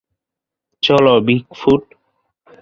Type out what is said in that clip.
চলো, বিগফুট।